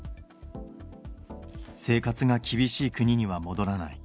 生活が厳しい国には戻らない。